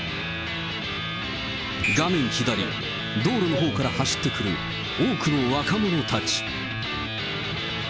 画面左、道路のほうから走ってくる多くの若者たち。